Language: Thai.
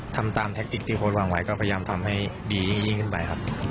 ทำตามแท็กติกที่โค้ดวางไว้ก็พยายามทำให้ดียิ่งขึ้นไปครับ